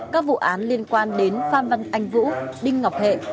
các vụ án liên quan đến phan văn anh vũ đinh ngọc hệ